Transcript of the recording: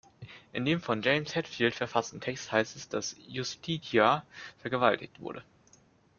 In dem von James Hetfield verfassten Text heißt es, dass Justitia vergewaltigt wurde.